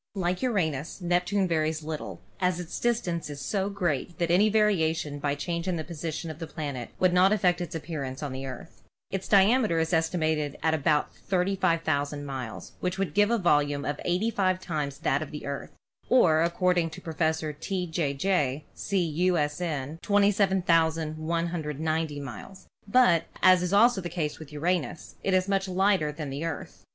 Like Uranus, Neptune varies little, as its distance is so great that any variation by change in the position of the planet would not affect its appearance on the Earth. Its diameter is estimated at about 35,000 miles, which would give a volume 85 times that of the Earth (or ac cording to Professor T. J. J. See, U. S. N., 27,190 miles) ; but, as also the case with Uranus, it is much lighter than the Earth.